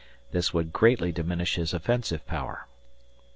This would greatly diminish his offensive power.